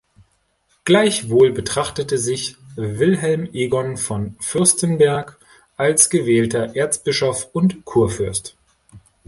Gleichwohl betrachtete sich Wilhelm Egon von Fürstenberg als gewählter Erzbischof und Kurfürst.